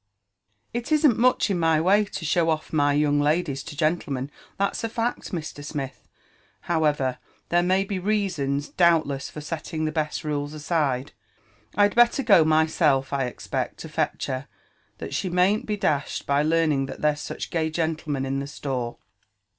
" It isn't much in my way to show off my young ladies to gentlemen, that's a fact, Mr. Smith : however, there may be reasons, doubtless, for setting the best rules aside. I'd belter go myself, I expect, to fetch her, that she mayn't be dashed by learning that there's such gay gen tlemen in the store."